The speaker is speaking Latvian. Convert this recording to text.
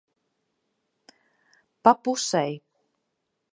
Pa pusei.